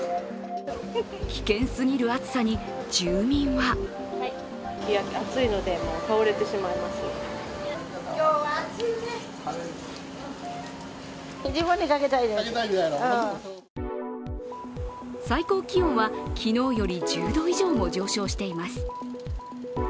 危険すぎる暑さに、住民は最高気温は昨日より１０度以上も上昇しています。